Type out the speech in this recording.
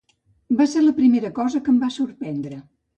Va ser la primera cosa que em va sorprendre.